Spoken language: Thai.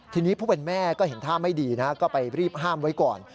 ทีนี้ผู้เป็นแม่ก็เห็นท่าไม่ดีนะก็ไปรีบห้ามไว้ก่อน